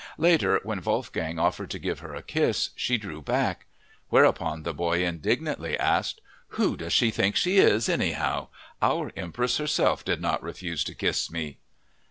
Later, when Wolfgang offered to give her a kiss, she drew back; whereupon the boy indignantly asked, "Who does she think she is, anyhow? Our Empress herself did not refuse to kiss me!"